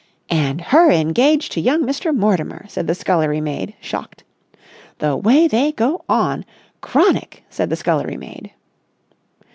"And her engaged to young Mr. Mortimer!" said the scullery maid, shocked. "The way they go on. Chronic!" said the scullery maid.